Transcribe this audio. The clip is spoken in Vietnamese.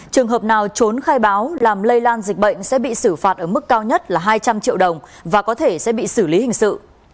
trường hợp nào trốn khai báo làm lây lan dịch bệnh sẽ bị xử phạt ở mức cao nhất là hai trăm linh triệu đồng và có thể sẽ bị xử lý hình sự